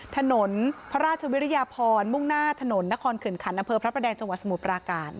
ถนนพระราชวิริยาพรมุ่งหน้าถนนนครขืนขันอำเภอพระประแดงจังหวัดสมุทรปราการ